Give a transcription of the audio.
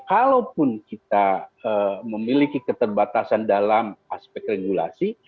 kalaupun kita memiliki keterbatasan dalam aspek regulasi